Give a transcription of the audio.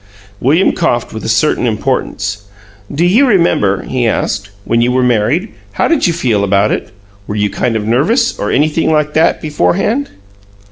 William coughed with a certain importance. "Do you remember," he asked, "when you were married, how did you feel about it? Were you kind of nervous, or anything like that, beforehand?"